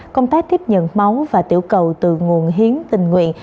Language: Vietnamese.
công tác tiếp nhận máu và tiểu cầu từ nguồn hiến tình nguyện